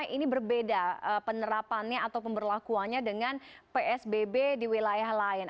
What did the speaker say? ini berbeda penerapannya atau pemberlakuannya dengan psbb di wilayah lain